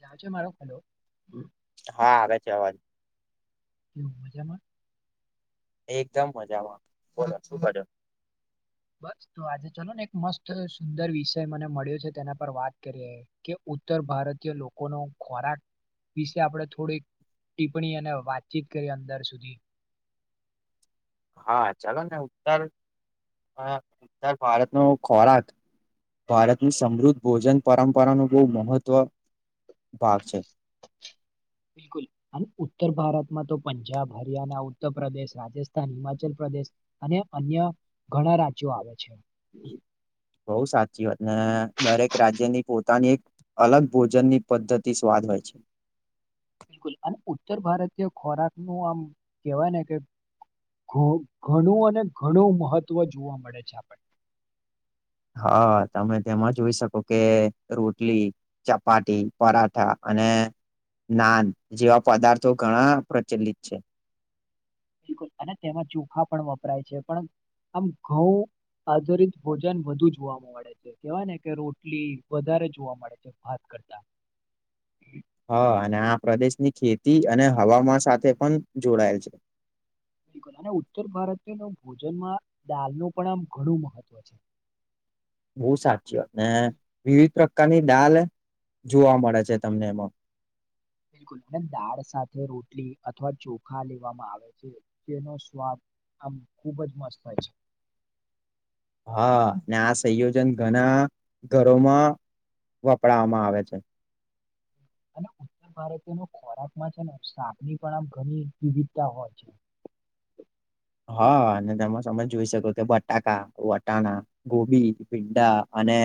જાજો [unintelligible] હા આવે છે અવાજ કેમ છો મજામાં એકદમ મજામાં બોલો શું કોવ છો. બસ તો આજે ચલો ને એક મસ્ત સુંદર વિષય મને મળ્યો છે તેના પર વાત કરીએ કે ઉત્તર ભારતીય લોકોનો ખોરાક વિશે આપણે થોડીક ટીપ્પણી અને વાતચીત કરી અંદર સુધી હા ચાલો ને ઉત્તર ઉત્તર ભારત નો ખોરાક ભારતની સમૃદ્ધ ભોજન પરંપરાનું બોવ મહત્વ ભાગ છે બિલકુલ અને ઉત્તર ભારતમાં તો પંજાબ હરિયાણા ઉત્તર પ્રદેશ રાજસ્થાન હિમાચલ પ્રદેશ અને અન્ય ઘણા રાજ્યો આવે છે. બઉ સાચી વાત ને દરેક રાજ્યની પોતાની એક અલગ ભોજન ની પદ્ધતિ સ્વાદ હોય છે. બિલકુલ અને ઉત્તર ભારતીય ખોરાક નું આમ કેહેવાય ને કે ધ ઘણું અને ઘણું મહત્ત્વ જોવા મળે છે આપણે હા તમે તેમાં જોઈ શકો કે રોટલી ચપાટી પરાઠા અને નાદ જેવા પદાર્થો ઘણા પ્રચલિત છે. બિલકુલ અને તેમાં ચોખા પણ વપરાય છે પણ આમ ઘઉં આધારિત ભોજન વધુ જોવા મળે છે કેવાય ને કે રોટલી વધારે જોવા મળે છે ભાત કરતા હા અને આ પ્રદેશની ખેતી અને હવામાં સાથે પણ જોડાયેલ છે. બિલકુલ અને ઉત્તર ભારતીય ન ભોજનમાં દાલનું પણ આમ ઘણું મહત્વ છે. બહુ સાચી વાત ને વિવિધ કક્કાની ડાલ જોવા મળે છે તમને એમાં બિલકુલ અને દાળ સાથે રોટલી અથવા ચોખા લેવામાં આવે છે જેનો સ્વાદ આમ ખુબ જ મસ્ત થાય છે. હા આ સંયોજન ઘણા ઘરોમાં વપરાવામાં આવે છે. [inaudible] ભારતી ની ખોરાક માં છે ને સાખની પણ આમ ઘણી વિવિધતા હોય છે. હા અને તેમાં તમે જોઈ શકો કે બટાકા વટાણા ગોભી ભીંડા અને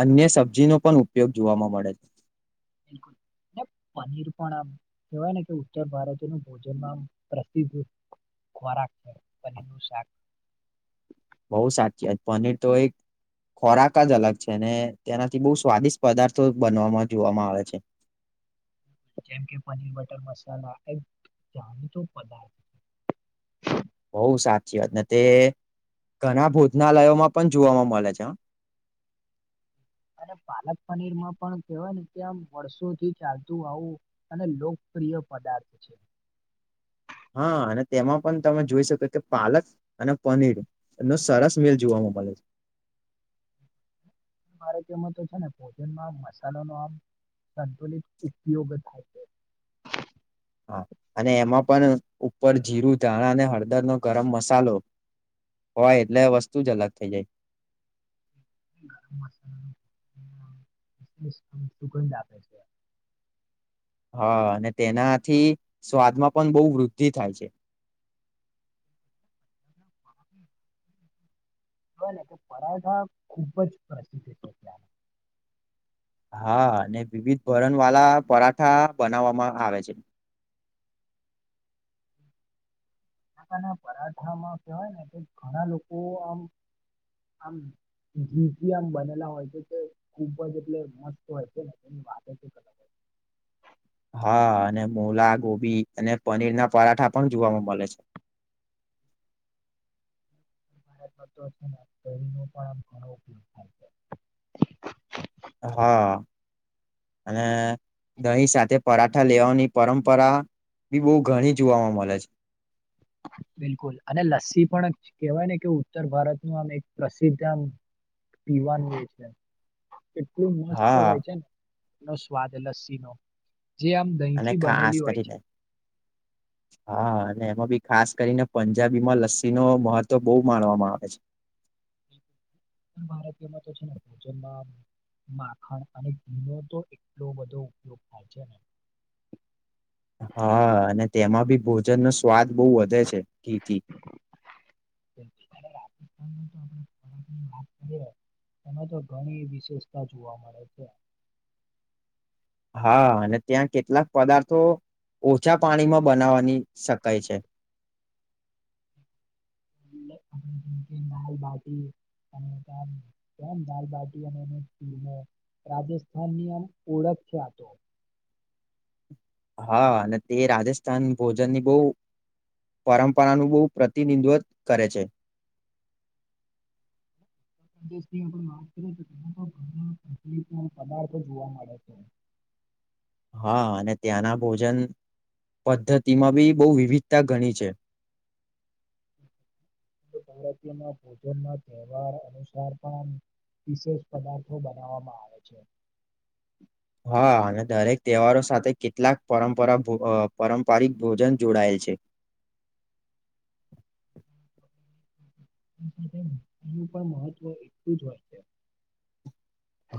અન્ય સબજી નો પણ ઉપયોગ જોવાવામાં મળે છે [unintelligible] પનીર પણ આમ કેવાય ને કે ઉત્તર ભારત ન ભોજનમાં આમ પ્રસિદ્ધ ખોરાક છે પનીર નું શાક બહુ સાચી વાત પનીર તો એક ખોરાક જ અલગ છે ને તેનાથી બહુ સ્વાદિષ્ટ પદાર્થો બનવામાં જોવામાં આવે છે. [inaudible] જેમ કે પનીર બટર મસાલા એ જાણીતો પદાર્થ બઉ સાચી વાત ને તે ઘણા ભોજનાલયોમાં પણ જોવાવામાં મળે છે. [inaudible] અને પાલક પનીરમાં પણ કેવાય ને ત્યાં આમ વર્ષોથી ચાલતું આવું અને પ્રિય પદાર્થ છે. હા અને તેમાં પણ તમે જોઈ શકો કે પાલક અને પનીર નો સરસ મેલ જોવા મળે ભલે છે. [inaudible] તો છે ને ભોજનમાં મસાલો નો આમ સંતુલિત ઉપયોગ થાય છે [inaudible] હા અને એમાં પણ ઉપર જીરું ધાણા અને હળદરનો ગરમ મસાલો હોય એટલે વસ્તુ જ અલગ થઇ જાય. ગરમ મસાલા વિઈ દખે છે [unintelligible] [inaudible] હા અને તેનાથી સ્વાદમાં પણ બહુ વૃદ્ધિ થાય છે. - [inaudible] એને કે પરાઠા ખુબ જ પ્રસિદ્ધ છે હા અને વિવિધ ભરણ વાળા પરાઠા બનાવવામાં આવે છે કકા ના પરાઠામાં કહેવાય ને કે ઘણા લોકો આમ આમ ઘી આમ બનેલા હોય છે તે ખૂબ જ એટલે મસ્ત હોય છેને એની વાત ખ હો [inaudible] હા અને મોલા ગોભી અને પનીર ના પરાઠા પણ જોવાવામાં મળે છે. [inaudible] ભારત છે શ ન પણ આ ઘણો ઉપયોગ થાય છે હા. અને દહીં સાથે પરાઠા લેવાની પરંપરા બી બહુ ઘણી જોવાવામાં મળે છે હ. બિલકુલ અને લસ્સી પણ કેહેવાય ને કે ઉત્તર ભારત નું આમ એક પ્રસિદ્ધ આમ પીવાનું જે છે. કેટલું મસ્ત હા હોય છે ને એનો સ્વાદ લસ્સી નો અને ખાસ કરીને હા અને એમાં બ ખાસ કરીને પંજાબીમાં લસ્સી ન મહત્વ બહુ માણવામાં આવે છે પણ ભારતીયો માં તો છે ને ભોજનમાં માખણ અને ઘીનો તો એટલો બધો ઉપયોગ થાય છે ને હા અને તેમાં ભી ભોજન નો સ્વાદ બહુ વધે છે ઘીથી છે ને રાજસ્થાનમાં આપણે ખોરાકની લાભ [unintelligible] એમાં તો ઘણી વિશેષતા જોવા મળે છે. હા અને ત્યાં કેટલાક પદાર્થો ઓછા પાણીમાં બનાવાની શકાય છે આપમ કે દાલ બાટી અને તમ દાલ બાટી એ રાજસ્થાનની આમ ઓળખ છે આતો. હા અને તે રાજસ્થાન ભોજનની બહુ પરંપરાનુ બહુ પ્રતિનિધિત્વ કરે છે. [inaudible] વાત કરીએ તેમાં પણ ઘણા તકલીફ પદાર્થો જોવા મળે છે. [inaudible] હા અને ત્યાંના ભોજન પદ્ધતિમાં બી બહુ વિવિધતા ઘણી છે. ભારતી ના ભોજન ના તહેવાર અનુસાર પણ વિશેષ પદાર્થો બનાવવામાં આવે છે. હા અને દરેક તહેવારો સાથે કેટલાક પરંપરા પારંપરિક ભોજન જોડાયેલ છે. છે હમ નું પણ મહત્વ એટલું જ હોય છે.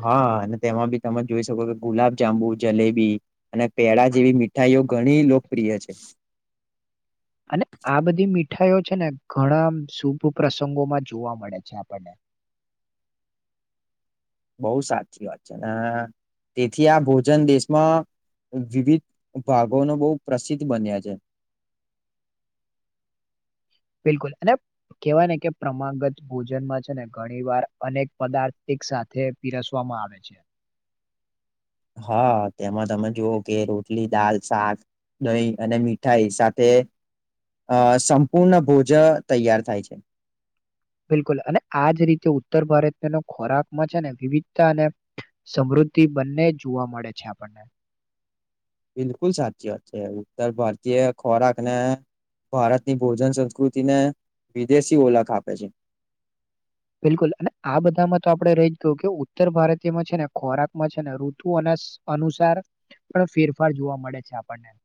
હા અને તેમાં બી તમે જોઈ શકો કે ગુલાબ જાંબુ જલેબી અને પેળા જેવી મીઠાઈઓ ઘણી લોકપ્રિય છે. અને આ બધી મીઠાઈઓ છે ને ઘણા શુભ પ્રસંગોમાં જોવા મળે છે આપણને બહુ સાચી વાત છે અને તેથી આ ભોજન દેશમાં વિવિધ ભાગોનો બહુ પ્રસિદ્ધ બન્યા છે. બિલકુલ અને કેવાય ને કે પ્રમાગત ભોજનમાં છે ને ઘણી વાર અનેક પદાર્થ સાથે પીરસવામાં આવે છે. હા તેમાં તમે જો કે રોટલી દાલ શાક દહી અને મીઠાઈ સાથે અ સંપૂર્ણ ભોજ તૈયાર થાય છે. બિલકુલ અને આજ રીતે ઉત્તર ભારતનો ખોરાકમાં છે ને વિવિધતા અને સમૃ્ધ તિ બંને જોવા મળે છે આપણને. બિલકુલ સાચી વાત છે ઉત્તર ભારતીય ખોરાક ને ભારતની ભોજન સંસ્કૃતિને વિદેશી ઓળખ આપે છે. બિલકુલ અને આ બધામાં તો આપડણે રહી ગયું કે ઉત્તર ભારતીયમાં છે ને ખોરાકમાં છે ને ઋતુ અને અનુસાર પણ ફેરફાર જોવા મળે છે આપણને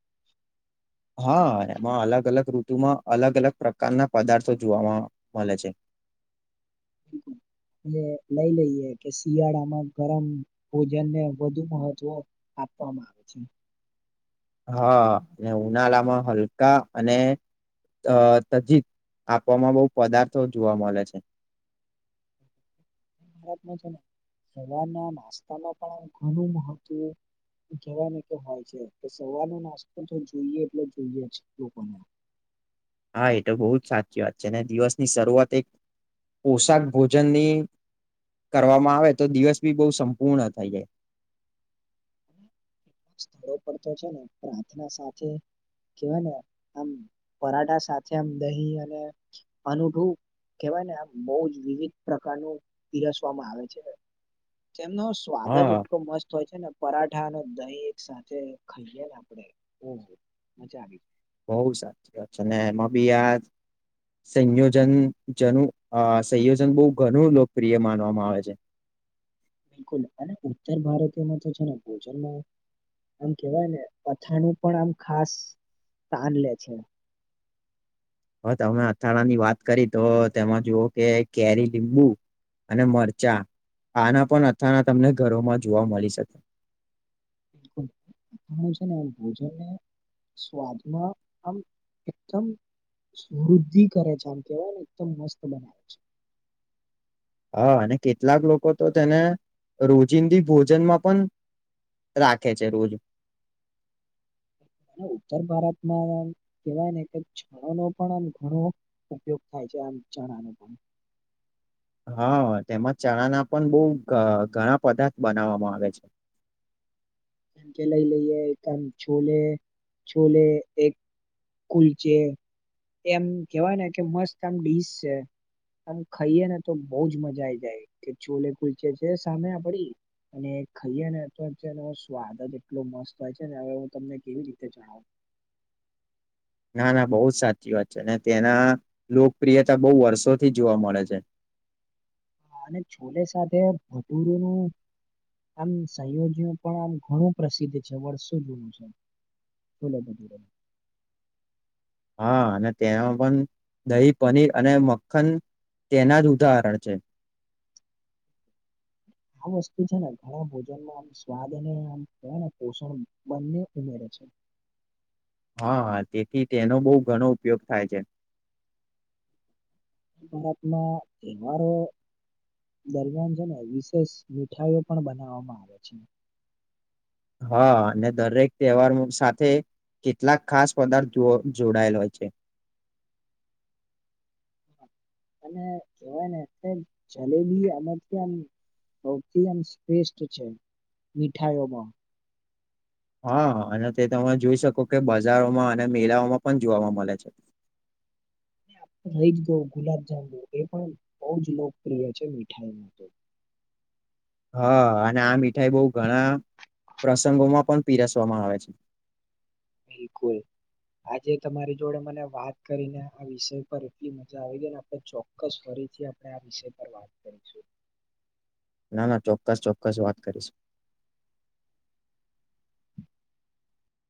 હા એમાં અલગ અલગ રૂત તુંમાં અલગ-અલગ પ્રકારના પદાર્થો જોવાવામાં મળે છે. હમ એ લઈ લઈએ કે શિયાળામાં ગરમ ભોજનને વધુ મહત્વ આપવામાં આવે છે. હા અને ઉનાળામાં હલકા અને અ તજી આપવામાં બહુ પદાર્થો જોવા મળે છે. હ [unintelligible] સવારના નાસ્તામાં પણ ઘણું મહત્વ કહેવા કે હોય છે તો સવારનો નાસ્તો જો જોઈએ એટલો જોઈએ જ લોકોને [inaudible] [unintelligible] હા એ તો બહુ જ સાચી વાત છે અને દિવસની શરૂઆત એક પોશાક ભોજનની કરવામાં આવે તો દિવસ બી બહુ સંપૂર્ણ થઈ જાય. સ્થળો પર તો છે ને પ્રાર્થના સાથે કેવાય ને આમ પરાઠા સાથે આમ દહી અને અનઠું કવાય ને આ બહુ જ વિવિધ પ્રકારનું પીરસવામાં આવે છે. તેમનો સ્વાદ જ હા એટલો મસ્ત તોય છે ને પરાઠા અને દહીં એક સાથે ખાઈએ ને આપણેે ઓ મજા આવી. બઉ સાચી વાત છે અનેને એમાં બી દ સંયોજન જન સંયોજન બહુ ઘણું લોકપ્રિય માનવામાં આવે છે. બિલકુલ અને ઉત્તર ભારતીયમાં તો છે ને ભોજનમાં આમ કેવાય ને અથાણું પણ આમ ખાસ તાન લે છે. [inaudible] [unintelligible] હ તમે અથાણા ની વાત કરી તો તેમાં જુઓ કે કેરી લીંબુ અને મરચાં આના પણ અથાણા તમને ઘરોમાં જોવા મળી શકે બિલકુલ છે ને ભોજનને સ્વાદમાં આમ એકદમ વૃદ્ધિ કરે છે આમ કેવાયને એકદમ મસ્ત બનાવે છે [inaudible] [unintelligible] હા અને કેટલાક લોકો તો તેને રોજિંદી ભોજનમાં પણ રાખે છે રોજ હ અને ઉત્તર ભારતમાં કહેવાય ને કે છણો નો પણ આમ ઘણો ઉપયોગ થાય આમ જણાનું પણ હા તેમાં ચણા ના પણ બહ ઘણા પદાર્થ બનાવવામાં આવે છે કેમ કે લઈ લઈએ એક આમ છોલે છોલે એક કુલચે એમ કેવાય ને કે મસ્ત આમ ડીશ છે અને ખાઈએ ને તો બહજ મજા આઈ જાય કે ચોલે કુલચે છે સામે આપડી અને ખાઈએે ને તોનો સ્વાદ જ એટલો મસ્ત હોય છે ને હવે હું તમને કેવી રીતે જણાવું ના ના બહ જ સાચી વાત છે અને તેના લોકપ્રિયતા બહુ વર્ષોથી જોવા મળે છે હ અને છોલે સાથે ભટૂરનુંું આમ સંયોજઓ પણ આમ ઘણું પ્રસિદ્ધ છે વર્ષું જૂનું છે છોલો હા અને તેમાં પણ દહી પનીર અને મખન તેના જ ઉદાહરણ છે [inaudible] આ વસ્તુ છે ને ઘણા ભોજનમાંમ સ્વાદ અને આમ પોષણ બંને ઉમેરે છે [inaudible] હા હ તેથી તેનો બહ ઘણો ઉપયોગ થાય છે ભારતમાં તહેવારો દરમિયાનજને વિશેષ મીઠાઈઓ પણ બનાવવામાં આવે છે હા અને દરેક તહેવાર સાથે કેટલાક ખાસ પદાર્થો જોડાયેલા હોય છે [inaudible] અને કેવાય ને જલેબી આમ કે આમ અતમ શ્રેષ્ઠ છે મીઠાઈઓમાં હા અને તે તમે જોઈ શકો કે બજારોમાં અને મેળાઓમાં પણ જોવા મળે છે [inaudible] રઈ ગ ગુલાબ જાંુ એ પણ બહ જ લોકપ્રિય છે મીઠાઈમાં તો [inaudible] હા અને આ મીઠાઈ બહ ઘણા પ્રસંગોમાં પણ પીરસવામાં આવે છે બિલકુલ આજે તમારી જોડે મને વાત કરીને આ વિષય પર એટલી મજા આવી ગઈ ને આપે ચોક્કસ ફર આપણે આ વિષય પર વાત કરીશું ના ચોક્કસ ચોક્કસ વાત કરીશ